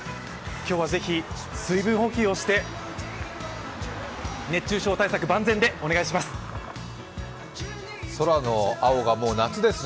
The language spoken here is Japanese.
今日はぜひ、水分補給をして熱中症対策万全でお願いします。